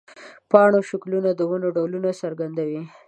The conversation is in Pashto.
د پاڼو شکلونه د ونو ډولونه څرګندوي.